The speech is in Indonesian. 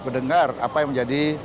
mendengar apa yang menjadi